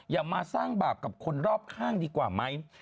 อย่ามาสร้างบาปกับคนรอบข้างดีกว่าไหม